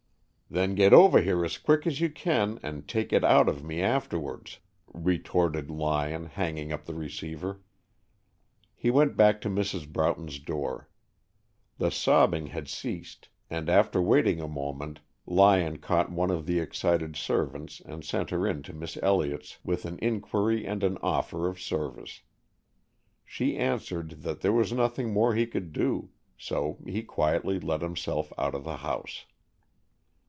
"Then get over here as quick as you can and take it out of me afterwards," retorted Lyon, hanging up the receiver. He went back to Mrs. Broughton's door. The sobbing had ceased, and after waiting a moment Lyon caught one of the excited servants and sent her in to Miss Elliott with an inquiry and an offer of service. She answered that there was nothing more he could do, so he quietly let himself out of the house.